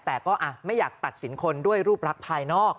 แต่ก็ไม่อยากตัดสินคนด้วยรูปรักภายนอก